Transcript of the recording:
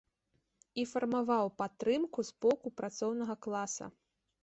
І фармаваў падтрымку з боку працоўнага класа.